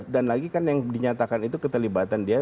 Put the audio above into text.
dan lagi kan yang dinyatakan itu ketelibatan dia